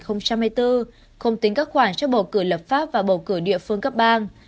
không tính các khoản cho bầu cử lập pháp và bầu cử địa phương cấp bang